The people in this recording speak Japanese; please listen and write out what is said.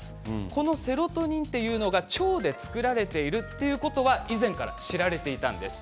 このセロトニンというのは腸で作られているということは以前から知られていたんです。